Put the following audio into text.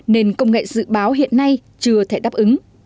nên công nghệ dự báo hiện nay chưa thể đáp ứng